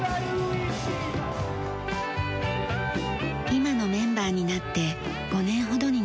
今のメンバーになって５年ほどになります。